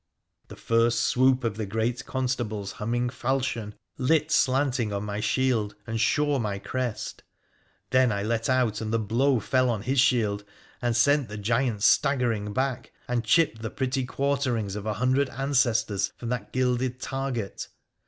The first swoop of the great Con stable's humming falchion lit slanting on my shield and shore my crest. Then I let out, and the blow fell on his shield, and sent the giant staggering back, and chipped the pretty quarterings of a hundred ancestors from that gilded target.